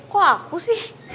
kok aku sih